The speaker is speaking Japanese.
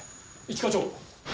一課長。